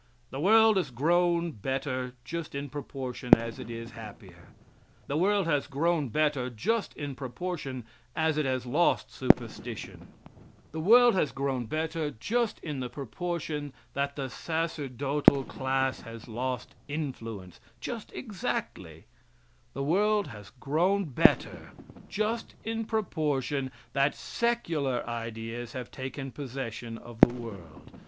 The world has grown better just in proportion as it is happier; the world has grown better just in proportion as it has lost superstition; the world has grown better just in the proportion that the sacerdotal class has lost influence just exactly; the world has grown better just in proportion that secular ideas have taken possession of the world.